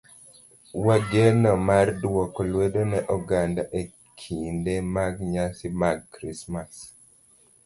wageno mar dwoko lwedo ne oganda e kinde mag nyasi mar Krismas.